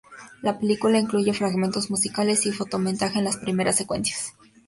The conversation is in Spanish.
La película incluye fragmentos musicales y fotomontaje en las primeras secuencias.